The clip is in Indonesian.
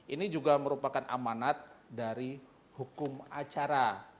ini juga merupakan amanat dari hukum acara